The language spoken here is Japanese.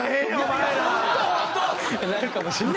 なるかもしれないですね。